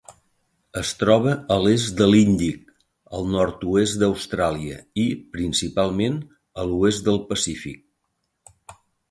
Es troba a l'est de l'Índic, al nord-oest d'Austràlia i, principalment, a l'oest del Pacífic.